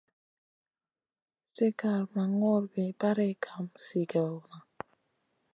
Sigar ma ŋurbiya barey kam zigèwna.